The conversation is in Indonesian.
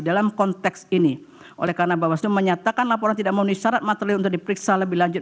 dalam konteks ini oleh karena bawaslu menyatakan laporan tidak memenuhi syarat material untuk diperiksa lebih lanjut